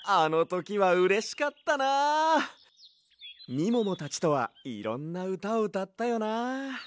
みももたちとはいろんなうたをうたったよな。